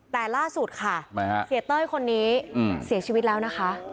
แต่ล่าสุดค่ะเสียเต้ยคนนี้เสียชีวิตแล้วนะคะ